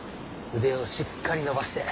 腕をしっかり伸ばして。